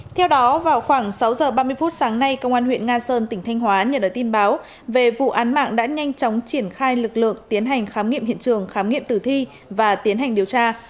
theo đó vào khoảng sáu giờ ba mươi phút sáng nay công an huyện nga sơn tỉnh thanh hóa nhận được tin báo về vụ án mạng đã nhanh chóng triển khai lực lượng tiến hành khám nghiệm hiện trường khám nghiệm tử thi và tiến hành điều tra